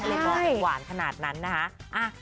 ก็เป็นหวานขนาดนั้นนะฮะ